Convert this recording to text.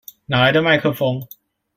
哪來的麥克風